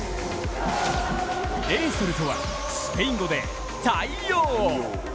レイソルとは、スペイン語で太陽王。